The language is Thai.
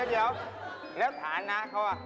เดี๋ยวแล้วฐานะเขา